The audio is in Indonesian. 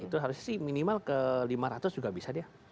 tapi sih minimal ke lima ratus juga bisa dia